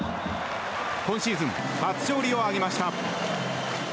今シーズン初勝利を挙げました。